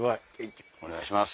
お願いします。